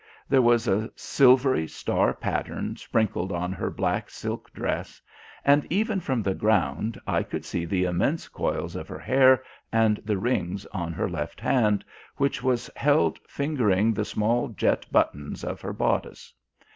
There was a silvery star pattern sprinkled on her black silk dress, and even from the ground I could see the immense coils of her hair and the rings on her left hand which was held fingering the small jet buttons of her bodice.